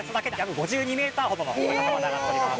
ほどの高さまで上がっております。